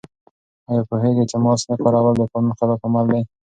آیا پوهېږئ چې د ماسک نه کارول د قانون خلاف عمل دی؟